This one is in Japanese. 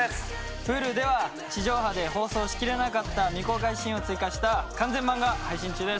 Ｈｕｌｕでは地上波で放送しきれなかった未公開シーンを追加した完全版が配信中です。